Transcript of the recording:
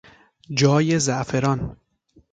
جای زعفران